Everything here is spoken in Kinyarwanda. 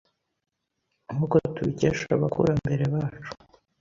Nk'uko tubikesha abakurambere bacu